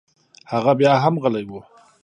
هغه بيا هم غلى و.